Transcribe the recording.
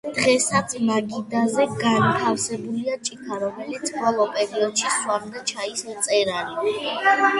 დღესაც მაგიდაზე განთავსებულია ჭიქა, რომლითაც ბოლო პერიოდში სვამდა ჩაის მწერალი.